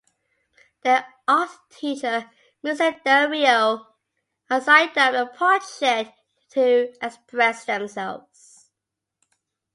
Their art teacher, Mr. Del Rio, assigned them a project to express themselves.